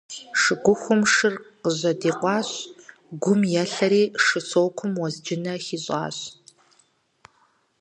Шыгухум шыр къыжьэдикъуащ, гум елъэри, шы сокум уэзджынэ хищӏащ.